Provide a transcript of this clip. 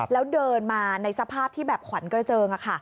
แล้วเดินมาในสภาพที่แบบขวัญกระเจิง